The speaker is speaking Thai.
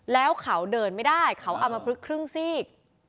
แล้วเขาเดินไม่ได้เขาเอามาพลึกครึ่งซีก